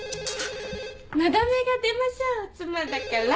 のだめが出ましょう妻だから。